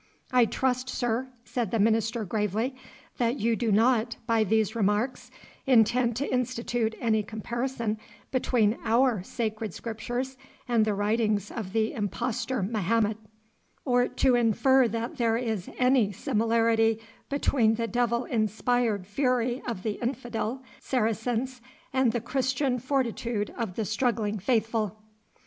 'I trust, sir,' said the minister gravely, 'that you do not, by these remarks, intend to institute any comparison between our sacred scriptures and the writings of the impostor Mahomet, or to infer that there is any similarity between the devil inspired fury of the infidel Saracens and the Christian fortitude of the struggling faithful!